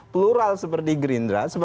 plural seperti gerindra